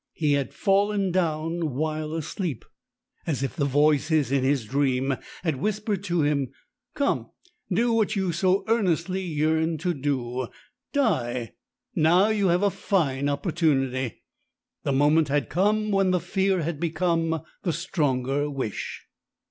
He had fallen down while asleep. As if the voices in his dream had whispered to him: 'Come! do what you so earnestly yearn to do! Die! Now you have a fine opportunity!' The moment had come when the fear had become the stronger wish."